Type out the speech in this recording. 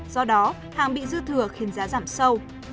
do đó hàng bị dư thừa khiến giá giảm sâu